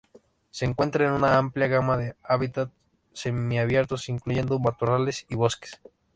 Se encuentra en una amplia gama de hábitats semi-abiertos, incluyendo matorrales y bosques.